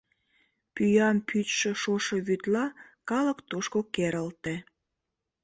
Пӱям пӱчшӧ шошо вӱдла, калык тушко керылте.